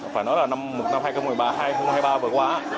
phải nói là năm hai nghìn một mươi ba hai nghìn hai mươi ba vừa qua